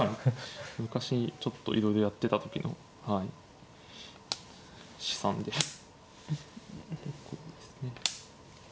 昔ちょっといろいろやってた時のはい資産です。